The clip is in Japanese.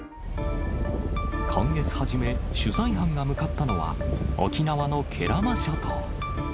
今月初め、取材班が向かったのは、沖縄の慶良間諸島。